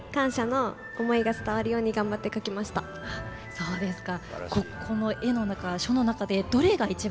そうですか。